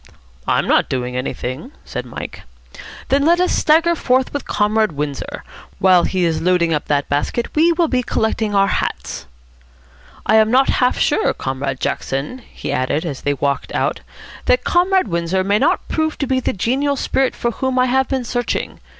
"I'm not doing anything," said Mike. "Then let us stagger forth with Comrade Windsor. While he is loading up that basket, we will be collecting our hats. ... I am not half sure, Comrade Jackson," he added, as they walked out, "that Comrade Windsor may not prove to be the genial spirit for whom I have been searching.